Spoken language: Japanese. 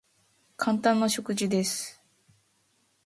簡単な食事です。